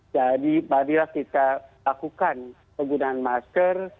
jadi marilah kita lakukan penggunaan masker